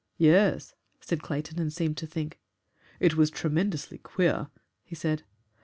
"Yes," said Clayton, and seemed to think. "It was tremendously queer," he said.